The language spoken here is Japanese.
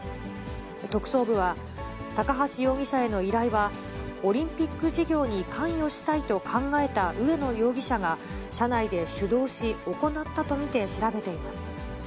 特捜部は、高橋容疑者への依頼は、オリンピック事業に関与したいと考えた植野容疑者が、社内で主導し、行ったと見て、調べています。